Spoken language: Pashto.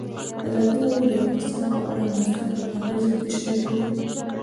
ازادي راډیو د اقتصاد په اړه مثبت اغېزې تشریح کړي.